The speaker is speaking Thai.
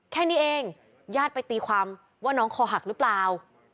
แค่นี้เองญาติไปตีความว่าน้องคอหักหรือเปล่า